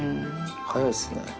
早いっすね。